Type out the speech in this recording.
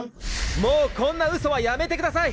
もうこんな嘘はやめてください！